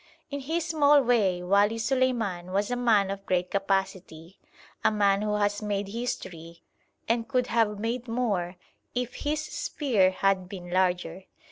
In his small way Wali Suleiman was a man of great capacity; a man who has made history, and could have made more if his sphere had been larger.